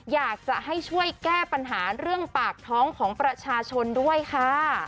อยากจะให้ช่วยแก้ปัญหาเรื่องปากท้องของประชาชนด้วยค่ะ